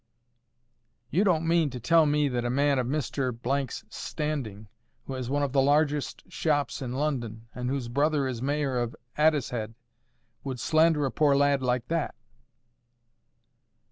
"You don't mean to tell me that a man of Mr— 's standing, who has one of the largest shops in London, and whose brother is Mayor of Addicehead, would slander a poor lad like that!"